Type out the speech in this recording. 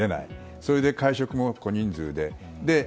それで会食も小人数で。